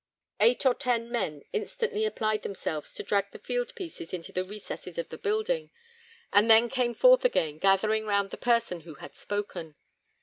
Eight or ten men instantly applied themselves to drag the field pieces into the recesses of the building, and then came forth again, gathering round the person who had spoken.